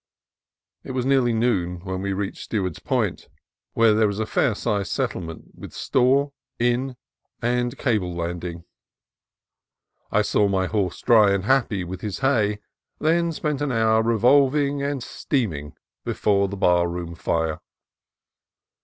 It was nearly noon when we reached Stewart's Point, where there is a fair sized settlement, with store, inn, and cable 266 CALIFORNIA COAST TRAILS landing. I saw my horse dry and happy with his hay, and then spent an hour revolving and steam ing before the bar room fire.